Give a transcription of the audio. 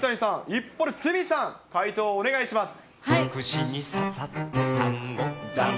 一方で鷲見さん、解答お願いします。